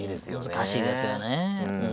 難しいですよね。